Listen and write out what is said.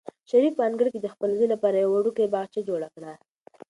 شریف په انګړ کې د خپل زوی لپاره یو وړوکی باغچه جوړه کړه.